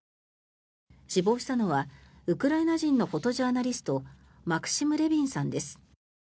死亡したのはウクライナ人のフォトジャーナリストマクシム・レビンさんです。